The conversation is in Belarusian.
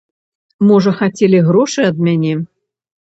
Можа, хацелі грошы ад мяне.